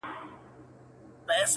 صبر کوه خدای به درکړي-